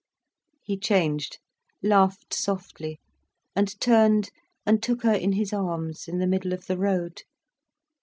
He changed, laughed softly, and turned and took her in his arms, in the middle of the road.